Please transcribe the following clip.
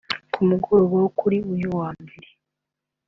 Ku mugoroba wo kuri uyu wa mbere